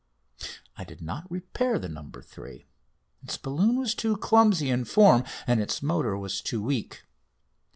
I did not repair the "No. 3." Its balloon was too clumsy in form and its motor was too weak.